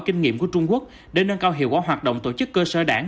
kinh nghiệm của trung quốc để nâng cao hiệu quả hoạt động tổ chức cơ sở đảng